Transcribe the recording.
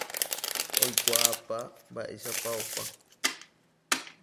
oikuaápa ma'éichapa opa